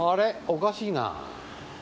おかしいなぁ。